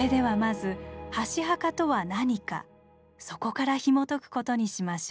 そこからひもとくことにしましょう。